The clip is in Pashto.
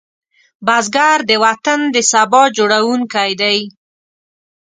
بزګر د وطن د سبا جوړوونکی دی